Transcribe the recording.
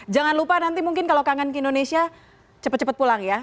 jangan lupa nanti mungkin kalau kangen ke indonesia cepet cepet pulang ya